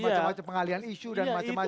macam macam pengalian isu dan macam macam